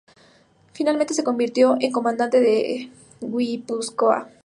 Finalmente, se convirtió en Comandante en Guipúzcoa.